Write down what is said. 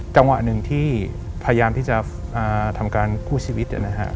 จังหวะหนึ่งที่พยายามที่จะทำการคู่ชีวิตนะฮะ